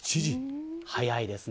早いですね。